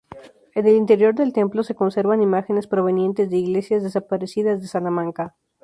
En el interior del templo se conservan imágenes provenientes de iglesias desaparecidas de Salamanca.